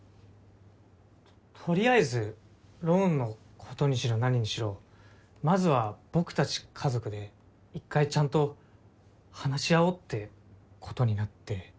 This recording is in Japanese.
取りあえずローンのことにしろ何にしろまずは僕たち家族で一回ちゃんと話し合おうってことになって。